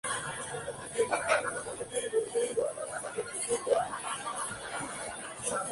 Flowers estimó que podrían ser fabricados a un ritmo de aproximadamente uno por mes.